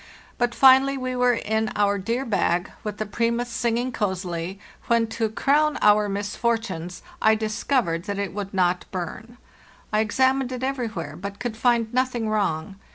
But finally we were in our dear bag, with the 'Primus' singing cozily, when, to A NIGHT CAMP ON THE JOURNEY NORTH crown our misfortunes, I discovered that it would not burn. I examined it everywhere, but could find noth ing wrong.